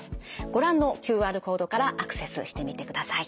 ご覧のＱＲコードからアクセスしてみてください。